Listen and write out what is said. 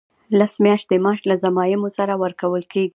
لس میاشتې معاش له ضمایمو سره ورکول کیږي.